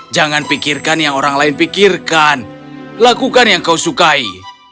jangan pikirkan yang orang lain pikirkan lakukan yang kau sukai